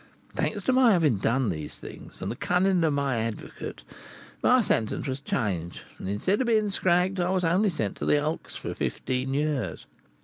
Thanks to my having done these things, and the cunning of my advocate, my sentence was changed, and, instead of being 'scragged,' I was only sent to the hulks for fifteen years.